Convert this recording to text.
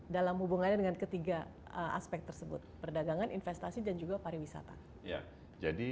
dalam hubungannya dengan ketiga aspek tersebut perdagangan investasi dan juga pariwisata ya jadi